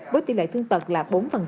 với tỷ lệ thương tật là bốn